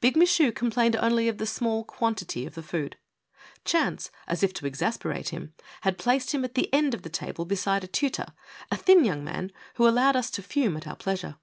Big Michu complained only of the small quantity of the food. Chance, as if to exasperate him, had placed him at the end of the table beside a tutor, a thin young man who allowed us to fume at our pleasure.